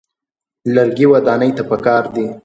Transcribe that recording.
لرګي ودانۍ ته پکار دي.